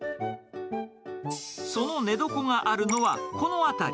その寝床があるのはこの辺り。